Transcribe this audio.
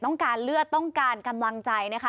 ต้องการเลือดต้องการกำลังใจนะคะ